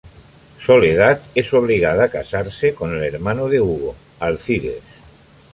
Soledad es obligada a casarse con el hermano de Hugo, Alcides.